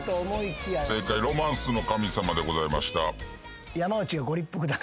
正解『ロマンスの神様』でございました。